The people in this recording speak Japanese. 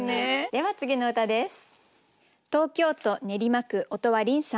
では次の歌です。